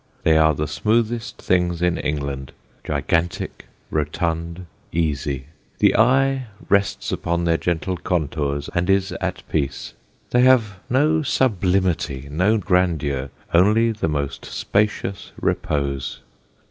They are the smoothest things in England, gigantic, rotund, easy; the eye rests upon their gentle contours and is at peace. They have no sublimity, no grandeur, only the most spacious repose.